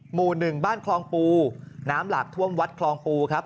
หมู่หนึ่งบ้านคลองปูน้ำหลากท่วมวัดคลองปูครับ